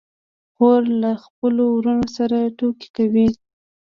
خور له خپلو وروڼو سره ټوکې کوي.